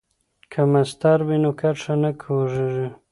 که مسطر وي نو کرښه نه کوږ کیږي.